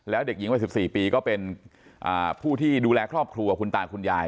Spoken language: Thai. แล้วเด็กหญิงวัย๑๔ปีก็เป็นผู้ที่ดูแลครอบครัวคุณตาคุณยาย